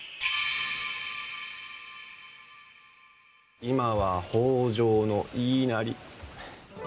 今は北条の言いなり。